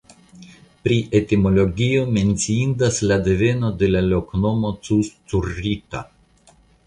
Pri etimologio menciindas la deveno de la loknomo "Cuzcurrita".